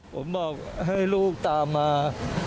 ผมบอกให้ลูกตามมา